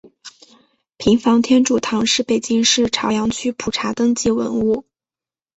平房天主堂是北京市朝阳区普查登记文物。